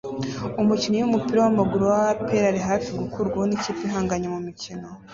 Umukinnyi wumupira wamaguru wa APR ari hafi gukurwaho nikipe ihanganye mumikino